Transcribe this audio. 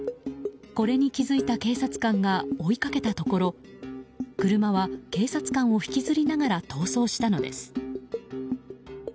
これに気づいた警察官が追いかけたところ車は警察官を引きずりながら逃走したのです。